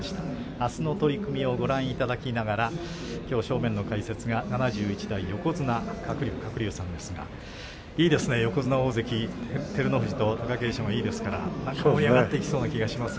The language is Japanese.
あすの取組をご覧いただきながらきょう正面の解説は７１代横綱鶴竜、鶴竜さんですがいいですね横綱大関、照ノ富士と貴景勝はいいですから盛り上がっていきそうな気がします。